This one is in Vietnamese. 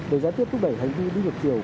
để giải thiệu thúc đẩy hành vi đi ngược chiều